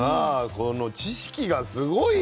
この知識がすごいね。